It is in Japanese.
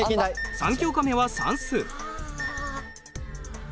３教科目は算数。